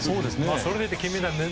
それでいて金メダルへと。